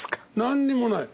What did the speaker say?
何にもない。